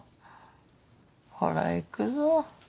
ほら行くぞ。